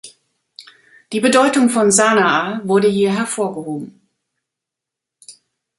Die Bedeutung von Sanaa wurde hier hervorgehoben.